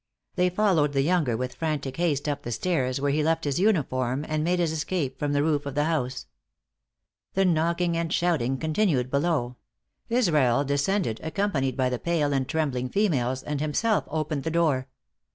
They followed the younger with frantic haste up the stairs, where he left his uniform, and made his escape from the roof of the house. The knocking and shouting continued below; Israel descended, accompanied by the pale and trembling females, and himself opened the door.